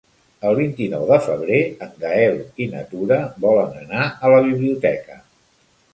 El vint-i-nou de febrer en Gaël i na Tura volen anar a la biblioteca.